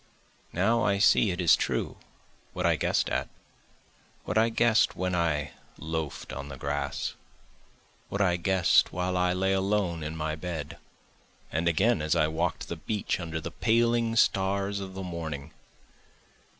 now I see it is true, what I guess'd at, What I guess'd when I loaf'd on the grass, What I guess'd while I lay alone in my bed, And again as I walk'd the beach under the paling stars of the morning.